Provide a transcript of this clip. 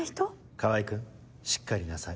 川合君しっかりなさい